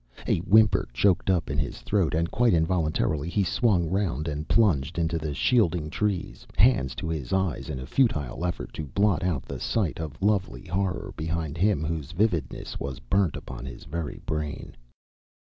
A whimper choked up in his throat and quite involuntarily he swung round and plunged into the shielding trees, hands to his eyes in a futile effort to blot out the sight of lovely horror behind him whose vividness was burnt upon his very brain.